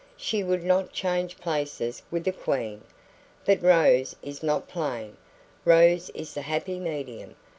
She would not change places with a queen." "But Rose is not plain. Rose is the happy medium.